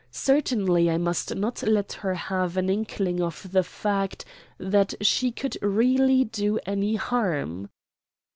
Certainly I must not let her have an inkling of the fact that she could really do any harm.